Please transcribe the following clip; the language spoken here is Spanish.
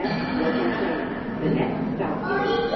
No se dispone de ninguna información sobre sus antepasados.